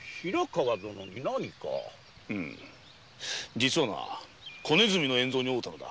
実はな小鼠の円蔵に会うたのだ。